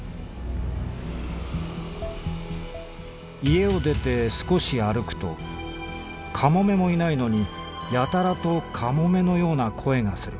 「家を出てすこし歩くとカモメもいないのにやたらとカモメのような声がする。